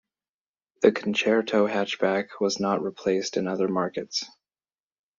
The Concerto hatchback was not replaced in other markets.